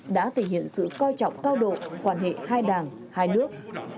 đã thể hiện sự coi trọng cao độ quan hệ hai đảng hai nước